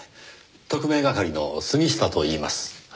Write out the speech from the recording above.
特命係の杉下といいます。